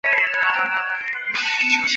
宏琳厝居住着黄姓家族。